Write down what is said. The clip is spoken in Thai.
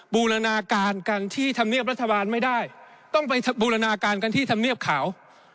บูรณาการกันที่ธรรมเนียบรัฐบาลไม่ได้ต้องไปบูรณาการกันที่ธรรมเนียบขาว